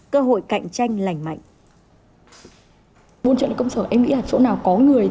cơ hội cạnh trọng